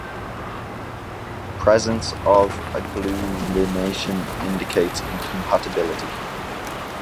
Presence of agglutination indicates incompatibility.